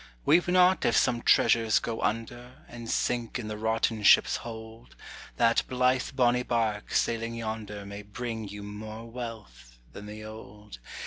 Weep not if some treasures go under, And sink in the rotten ship's hold, That blithe bonny barque sailing yonder May bring you more wealth than the old.